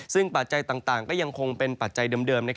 ซึ่งปัจจัยต่างก็ยังคงเป็นปัจจัยเดิม